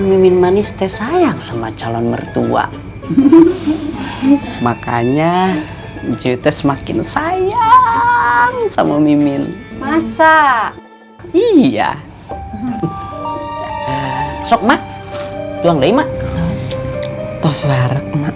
mimin manis teh sayang sama calon mertua makanya jute semakin sayang sama mimin masa iya sok mak